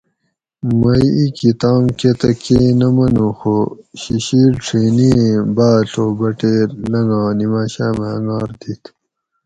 مئ ایکی تام کہ تہ کئ نہ منوخو شیشیل ڄھینی ایں باۤ ڷھو بٹیر لنگا نیماۤشامہ انگار دِیت